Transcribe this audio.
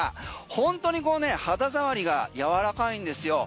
本当にこの肌触りがやわらかいんですよ。